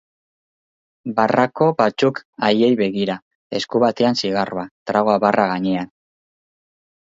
Barrako batzuk haiei begira, esku batean zigarroa, tragoa barra gainean.